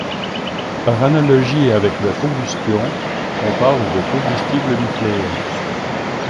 Par analogie avec la combustion, on parle de combustible nucléaires.